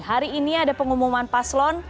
hari ini ada pengumuman paslon